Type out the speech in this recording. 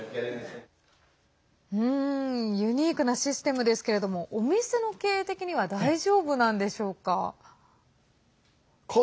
ユニークなシステムですけれどもお店の経営的には大丈夫なんでしょうか。